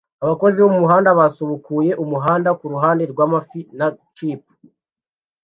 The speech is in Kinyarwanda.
Abakozi bo mumuhanda basubukuye umuhanda kuruhande rwamafi na chip